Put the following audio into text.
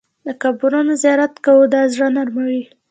د قبرونو زیارت کوه، دا زړه نرموي.